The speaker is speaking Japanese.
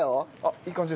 いい感じですね。